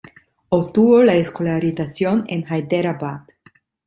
Obtuvo la escolarización en Hyderabad.